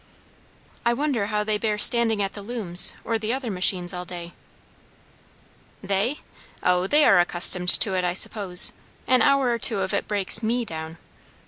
"I wonder how they bear standing at the looms or the other machines all day?" "They? O, they are accustomed to it, I suppose. An hour or two of it breaks me down.